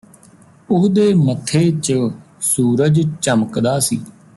ਉਹਦੇ ਮੱਥੇ ਚ ਸੂਰਜ ਚਮਕਦਾ ਸੀ